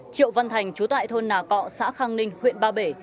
triệu văn thành chú tại thôn nà cọ xã khang ninh huyện ba bể